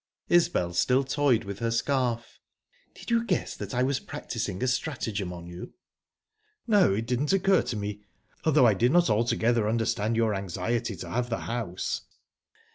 Isbel still toyed with her scarf. "Did you guess that I was practising a stratagem on you?" "No, it didn't occur to me, although I did not altogether understand your anxiety to have the house."